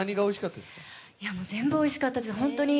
全部おいしかったです。